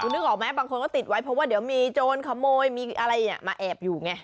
นึกออกไหมบางคนก็ติดไว้เพราะว่าเดี๋ยวมีโจรขโมยมีอะไรมาแอบอยู่ไง